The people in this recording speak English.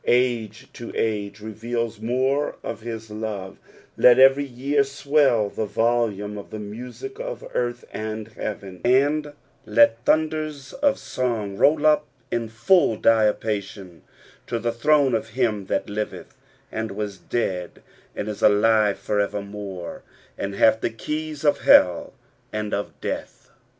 Age to age reveals more of his love, let every year swell the volume uf the music of earth and heaven, and let thunders of song roll up in full diapason to the throne of him that liveth, and was dead, and is alive for evermore, and halh the keys of bcU and of death.